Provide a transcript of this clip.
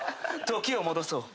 時を戻そう。